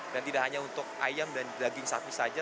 dan tidak hanya untuk ayam dan daging sapi saja